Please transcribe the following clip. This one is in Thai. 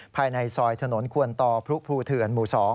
ภายในซอยถนนควนต่อพรุภูเถื่อนหมู่๒